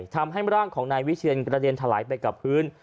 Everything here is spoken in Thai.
ทำให้ร่างของนายวิเชียนกระเด็นถลายไปกับพื้น